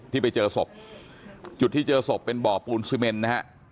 ที่ไปเจอศพจุดที่เจอศพเป็นบ่อปูนซีเมนนะฮะ